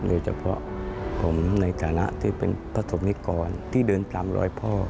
โดยเฉพาะผมในฐานะที่เป็นพระสมนิกรที่เดินตามรอยพ่อ